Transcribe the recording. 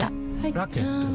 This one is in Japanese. ラケットは？